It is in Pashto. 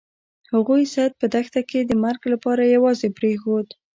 هغوی سید په دښته کې د مرګ لپاره یوازې پریښود.